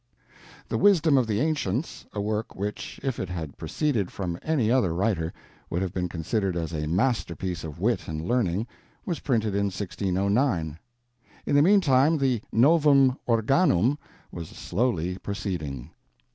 The Wisdom Of The Ancients, a work which, if it had proceeded from any other writer, would have been considered as a masterpiece of wit and learning, was printed in 1609. In the mean time the Novum Organum was slowly proceeding.